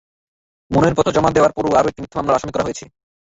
মনোনয়নপত্র জমা দেওয়ার পরও আরও একটি মিথ্যা মামলায় আসামি করা হয়েছে।